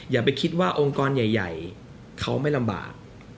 อย่าไปคิดว่าองค์กรใหญ่เขาไม่ลำบาก